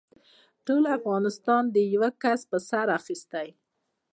ټول افغانستان دې يوه کس په سر اخيستی.